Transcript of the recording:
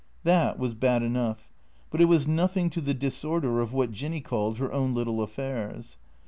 That was bad enough. But it was nothing to the disorder of what Jinny called her own little affairs.